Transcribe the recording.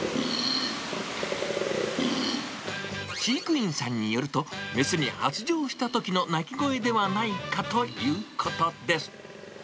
飼育員さんによると、雌に発情したときの鳴き声ではないかということです。